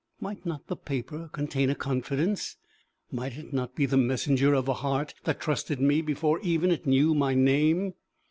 Might not the paper contain a confidence? might it not be the messenger of a heart that trusted me before even it knew my name?